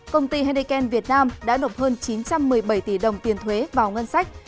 công ty henneken việt nam đã nộp hơn chín trăm một mươi bảy tỷ đồng tiền thuế vào ngân sách